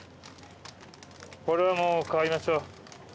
これはもう買いましょう。